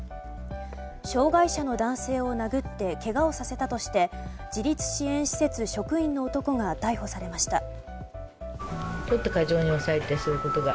障害者の男性を殴ってけがをさせたとして自立支援施設職員の男が逮捕されました。